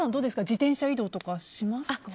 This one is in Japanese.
自転車移動とかしますか？